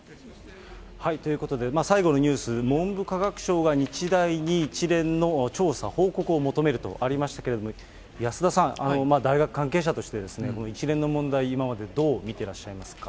ということで、最後のニュース、文部科学省が日大に一連の調査・報告を求めるとありましたけれども、安田さん、大学関係者として、この一連の問題、今までどう見てらっしゃいますか？